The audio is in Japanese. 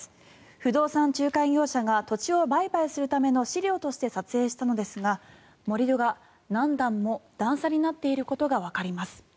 不動産仲介業者が土地を売買するための資料として撮影したのですが盛り土が何段も段差になっていることがわかります。